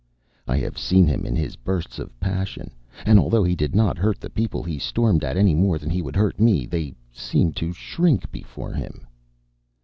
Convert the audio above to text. I have seen him in his bursts of passion; and, although he did not hurt the people he stormed at any more than he would hurt me, they seemed to shrink before him."